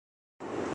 دردانہ انصاری کا